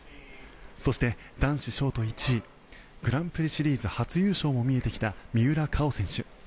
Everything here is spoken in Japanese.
そして、男子ショート１位グランプリシリーズ初優勝も見えてきた三浦佳生選手。